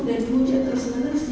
dan dihujat terus terusan terus di